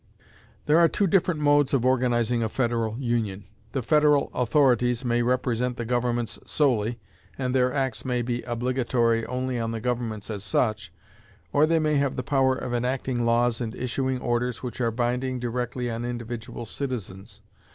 There are two different modes of organizing a federal union. The federal authorities may represent the governments solely, and their acts may be obligatory only on the governments as such, or they may have the power of enacting laws and issuing orders which are binding directly on individual citizens.